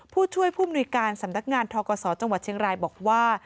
ผู้ช่วยผู้มนุยการสำนักงานทกศจังหวัดเชียงรายบอกว่า